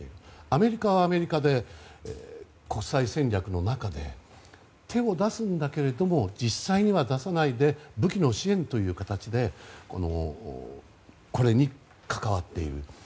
アメリカはアメリカで国際戦略の中で手を出すんだけれども実際には出さないで武器の支援という形でこれに関わっている。